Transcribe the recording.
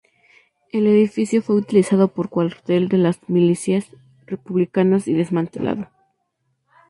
El edificio fue utilizado por cuartel de las milicias republicanas y desmantelado.